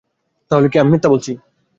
তাহলে কি আমি মিথ্যা বলছি?